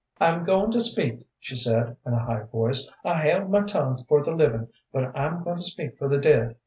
"I'm goin' to speak," she said, in a high voice. "I held my tongue for the livin', but I'm goin' to speak for the dead.